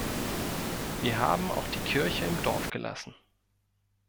Wir haben auch die Kirche im Dorf gelassen.